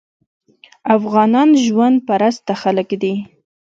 افغانان ژوند پرسته خلک دي.